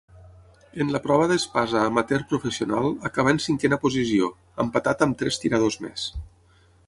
En la prova d'espasa amateur-professional acabà en cinquena posició, empatat amb tres tiradors més.